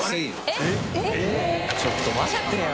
えっ？ちょっと待ってよ！